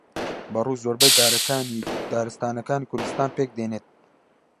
بەڕوو زۆربەی دارەکانی دارستانەکانی کوردستان پێک دێنێت